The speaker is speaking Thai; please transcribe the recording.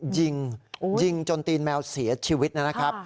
ยิงยิงจนตีนแมวเสียชีวิตนะครับ